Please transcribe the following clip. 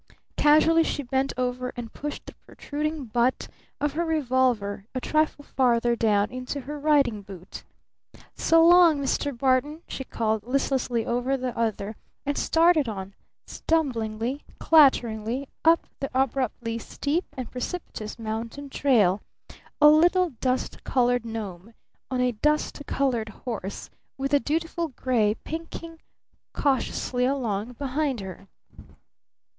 Casually she bent over and pushed the protruding butt of her revolver a trifle farther down into her riding boot. "S'long Mr. Barton!" she called listlessly over the other, and started on, stumblingly, clatteringly, up the abruptly steep and precipitous mountain trail a little dust colored gnome on a dust colored horse, with the dutiful gray pinking cautiously along behind her.